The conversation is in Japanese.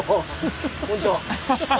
こんちは。